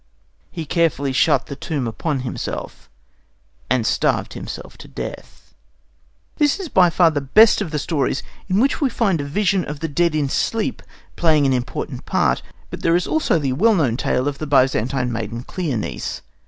He carefully shut the tomb upon himself, and starved himself to death. This is by far the best of the stories in which we find a vision of the dead in sleep playing an important part; but there is also the well known tale of the Byzantine maiden Cleonice.